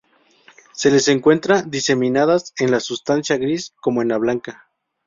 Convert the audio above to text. Se les encuentra diseminadas en la sustancia gris como en la blanca.